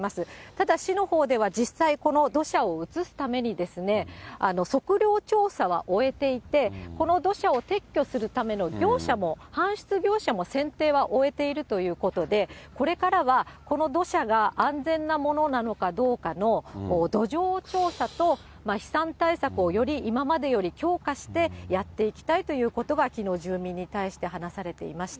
ただ、市のほうでは実際、この土砂を移すために、測量調査は終えていて、この土砂を撤去するための業者も、搬出業者も選定は終えているということで、これからはこの土砂が安全なものなのかどうかの土壌調査と、飛散対策をより今までより強化して、やっていきたいということは、きのう住民に対して話されていました。